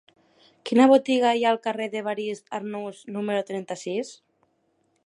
Quina botiga hi ha al carrer d'Evarist Arnús número trenta-sis?